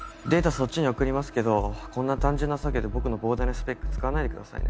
そっちに送りますけどこんな単純な作業で僕の膨大なスペック使わないでくださいね。